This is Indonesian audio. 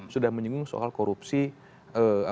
sudah menyinggung soal korupsi apa namanya